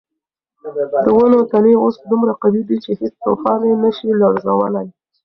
د ونو تنې اوس دومره قوي دي چې هیڅ طوفان یې نه شي لړزولی.